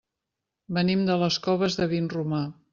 Venim de les Coves de Vinromà.